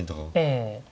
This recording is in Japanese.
ええ。